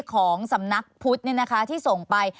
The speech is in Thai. ของสำนักพุทธที่ส่งไป